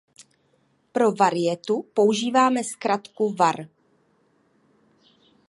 Pro varietu používáme zkratku var.